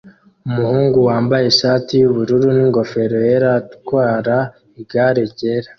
Umuhungu wambaye ishati yubururu n'ingofero yera atwara igare ryera